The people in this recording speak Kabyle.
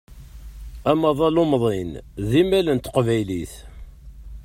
Amaḍal umḍin d imal n teqbaylit.